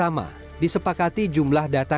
am oversee pertahanan